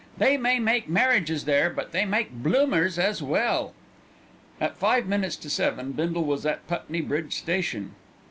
"They may make marriages there, but they make bloomers as well." At five minutes to seven Bindle was at Putney Bridge Station.